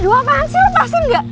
aduh apaan sih lepasin gak